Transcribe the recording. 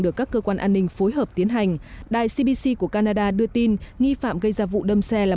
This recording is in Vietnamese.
được các cơ quan an ninh phối hợp tiến hành đài cbc của canada đưa tin nghi phạm gây ra vụ đâm xe là